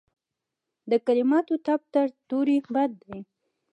د کلماتو ټپ تر تورې بد دی.